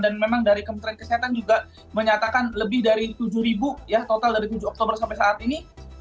dan memang dari kementerian kesehatan juga menyatakan lebih dari tujuh ribu ya total dari tujuh oktober sampai saat ini